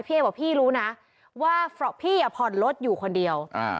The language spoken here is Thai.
พี่ให้บอกว่าพี่รู้นะว่าพี่อย่าผ่อนรถอยู่คนเดียว